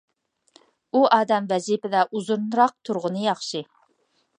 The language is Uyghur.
ئۇ ئادەم ۋەزىپىدە ئۇزۇنراق تۇرغىنى ياخشى.